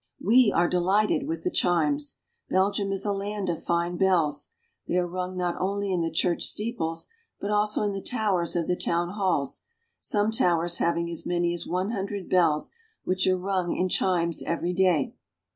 We are delighted with the chimes. Belgium is a land of fine bells ; they are rung not only in the church steeples, but also in the towers of the town halls, some towers having as many as one hundred bells which are rung in chimes every day.